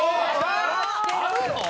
あるの？